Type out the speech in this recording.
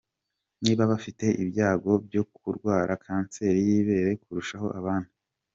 Niba bafite ibyago byo kurwara kanseri y’ ibere kurusha abandi?.